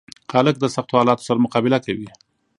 هلک د سختو حالاتو سره مقابله کوي.